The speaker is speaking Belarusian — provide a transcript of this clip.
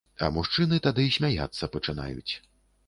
А мужчыны тады смяяцца пачынаюць.